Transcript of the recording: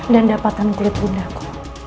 dan dapatkan kulit bundaku